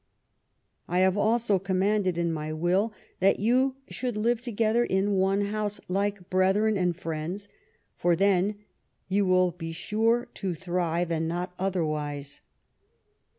I have also commanded in my will, that you should live together in one housp like brethren and friends; for then you will be sure to thrive, and not otherwise.''